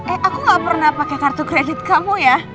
eh aku gak pernah pakai kartu kredit kamu ya